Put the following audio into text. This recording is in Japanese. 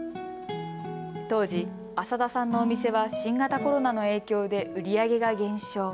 当時、浅田さんのお店は新型コロナの影響で売り上げが減少。